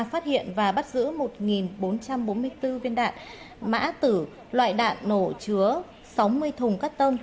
phát hiện và bắt giữ một bốn trăm bốn mươi bốn viên đạn mã tử loại đạn nổ chứa sáu mươi thùng cắt tông